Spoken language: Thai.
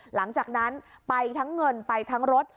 หลังจากนั้นไปทั้งเงินไปทั้งรถ